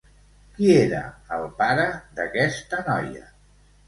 Qui era el pare d'aquesta noia?